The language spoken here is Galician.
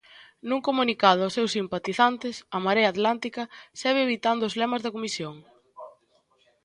Nun comunicado aos seus simpatizantes, a Marea Atlántica segue evitando os lemas da Comisión.